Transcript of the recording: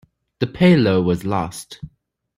The payload was lost.